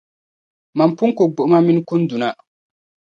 Mani pun ku gbuɣima mini kunduna.